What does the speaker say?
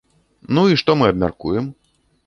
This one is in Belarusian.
Ну, і што мы абмяркуем?